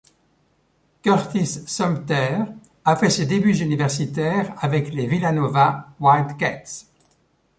Curtis Sumpter a fait ses débuts universitaires avec les Villanova Wildcats.